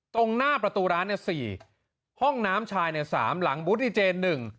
ตรงหน้าประตูร้าน๔ห้องน้ำชาย๓หลังบุธิเจน๑